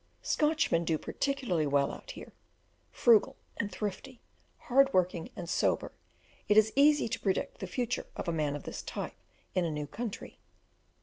Scotchmen do particularly well out here; frugal and thrifty, hard working and sober, it is easy to predict the future of a man of this type in a new country.